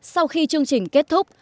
sau khi chương trình kết thúc